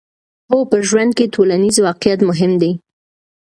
هو، په ژوند کې ټولنیز واقعیت مهم دی.